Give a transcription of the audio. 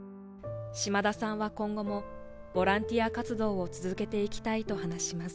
島田さんは今後もボランティア活動を続けていきたいと話します